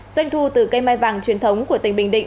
doanh thu từ cây mai vàng truyền thống của tỉnh bình định